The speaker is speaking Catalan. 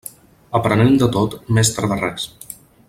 Aprenent de tot, mestre de res.